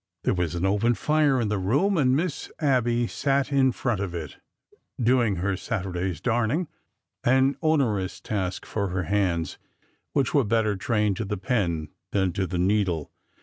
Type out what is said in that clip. There was an open fire in the room, and Miss Abby sat in front of it, doing her Saturday's darning — an onerous task for her hands, which were better trained to the pen than to the needle.